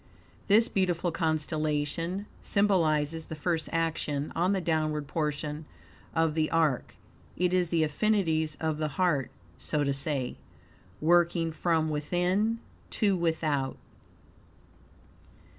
This beautiful constellation symbolizes the first action on the downward portion of the are. It is the affinities of the heart, so to say, working from within to without.